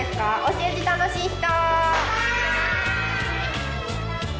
教えて楽しい人？